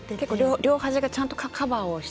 両端がちゃんとカバーして。